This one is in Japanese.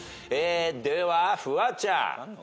ではフワちゃん。